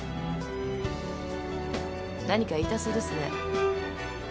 何か言いたそうですね。